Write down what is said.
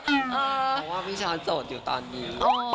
เพราะว่าพี่ช้อนโสดอยู่ตอนนี้